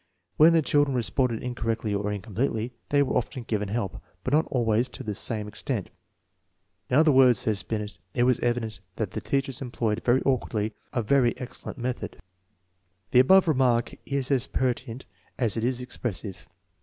When the chil dren responded incorrectly or ^incompletely, they were often given help, but not always to the same extent. In other words, says Binet, it was evident that " the teachers em ployed very awkwardly a very excellent method." The above remark is as pertinent as it is expressive.